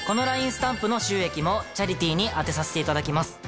スタンプの収益もチャリティーに充てさせていただきます。